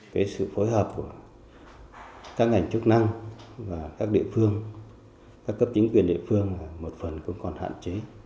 cái sự phối hợp của các ngành chức năng và các địa phương các cấp chính quyền địa phương là một phần cũng còn hạn chế